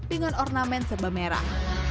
dengan ornamen serba merah